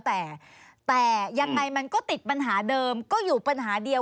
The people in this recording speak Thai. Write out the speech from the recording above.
แต่แต่ยังไงมันก็ติดปัญหาเดิมก็อยู่ปัญหาเดียว